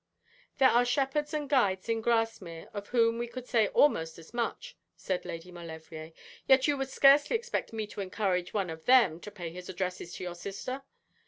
'There are shepherds and guides in Grasmere of whom we could say almost as much,' said Lady Maulevrier, 'yet you would scarcely expect me to encourage one of them to pay his addresses to your sister?